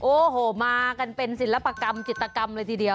โอ้โหมากันเป็นศิลปกรรมจิตกรรมเลยทีเดียว